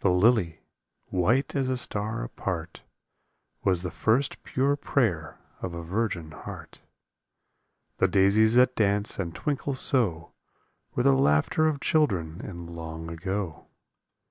The lily, white as a star apart, Was the first pure prayer of a virgin heart. The daisies that dance and twinkle so Were the laughter of children in long ago.